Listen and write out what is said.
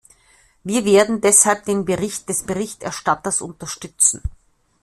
Wir werden deshalb den Bericht des Berichterstatters unterstützen.